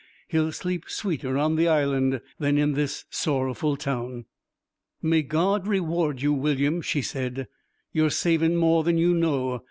'He'll sleep sweeter on the Island than in this sorrowful town.' 'May God reward you, William,' she said. 'You're savin' more than you know.